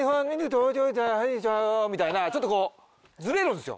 みたいなちょっとこうズレるんすよ。